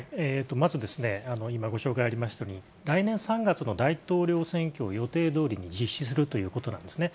まず、今、ご紹介ありましたように、来年３月の大統領選挙を予定どおり、実施するということなんですね。